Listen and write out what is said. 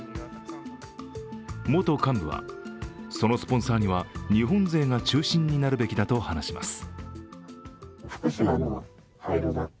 元幹部は、そのスポンサーには日本勢が中心になるべきだと話します。